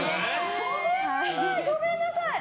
ごめんなさい！